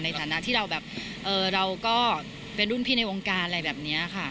ในฐานะที่เราแบบเราก็เป็นรุ่นพี่ในวงการอะไรแบบนี้ค่ะ